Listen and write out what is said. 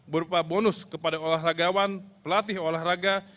berupa bonus kepada olahragawan pelatih olahraga